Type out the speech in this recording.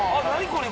これ。